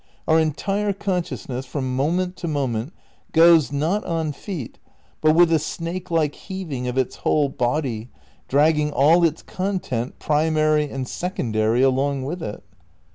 Our entire consciousness, from moment to moment, goes, not on feet, but with a snake Kke heaving of its whole body, dragging all its content, pri mary and secondary, along with it.